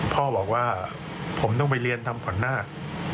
พ่อบอกว่าผมต้องไปเรียนทำขวัญนาค